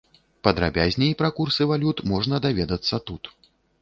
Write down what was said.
Падрабязней пра курсы валют можна даведацца тут.